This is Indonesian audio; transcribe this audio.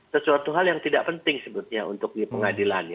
sesuatu hal yang tidak penting sebetulnya untuk di pengadilan